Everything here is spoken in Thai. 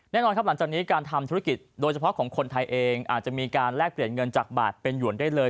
แน่นอนครับหลังจากนี้การทำธุรกิจโดยเฉพาะของคนไทยเองอาจจะมีการแลกเปลี่ยนเงินจากบาทเป็นห่วนได้เลย